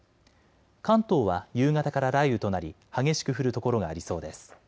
関東は夕方から雷雨となり激しく降る所がありそうです。